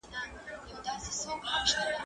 زه به اوږده موده د ښوونځی لپاره تياری کړی وم،